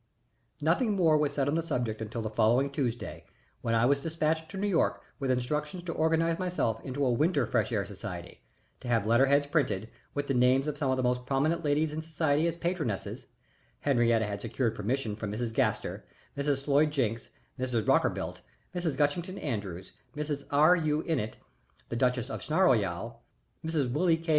Nothing more was said on the subject until the following Tuesday, when I was despatched to New York with instructions to organize myself into a Winter Fresh Air Society, to have letter heads printed, with the names of some of the most prominent ladies in society as patronesses Henriette had secured permission from Mrs. Gaster, Mrs. Sloyd Jinks, Mrs. Rockerbilt, Mrs. Gushington Andrews, Mrs. R. U. Innitt, the duchess of Snarleyow, Mrs. Willie K.